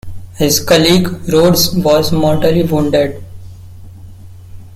His colleague Rodes was mortally wounded.